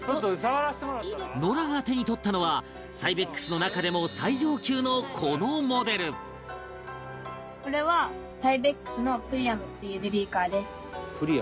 ノラが手に取ったのはサイベックスの中でも最上級のこのモデルっていうベビーカーです。